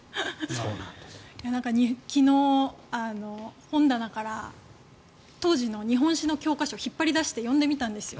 昨日、本棚から当時の日本史の教科書を引っ張り出して読んでみたんですよ。